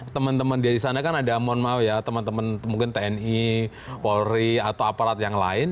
teman teman dari sana kan ada mohon maaf ya teman teman mungkin tni polri atau aparat yang lain